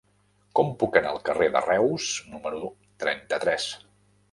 Com puc anar al carrer de Reus número trenta-tres?